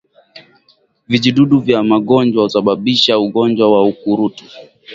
Vijidudu vya magonjwa husababisha ugonjwa wa ukurutu